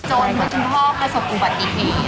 จนคุณพ่อเคยสกุปติภีร์